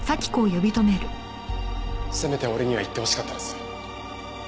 せめて俺には言ってほしかったです。